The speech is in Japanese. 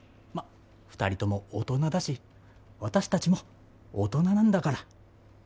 まっ２人とも大人だし私たちも大人なんだから。